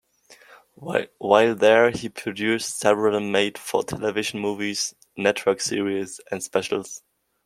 While there he produced several made-for-television movies, network series, and specials.